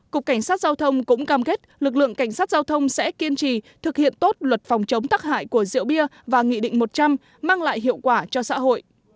cục cảnh sát giao thông cũng cam kết lực lượng cảnh sát giao thông sẽ kiên trì thực hiện tốt luật phòng chống tắc hại của rượu bia và nghị định một trăm linh mang lại hiệu quả cho xã hội